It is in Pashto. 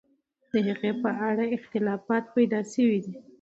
د هغې په اړه اختلاف پیدا سوی دی.